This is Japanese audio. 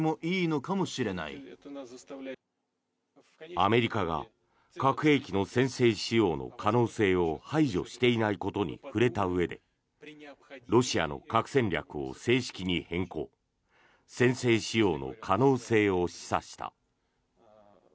アメリカが核兵器の先制使用の可能性を排除していないことに触れたうえでロシアの核戦略を正式に変更先制使用の可能性を示唆した。